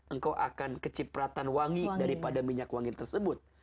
engkau akan kecipratan wangi daripada minyak wangi tersebut